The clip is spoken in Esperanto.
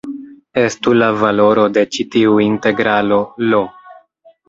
Estu la valoro de ĉi tiu integralo "I".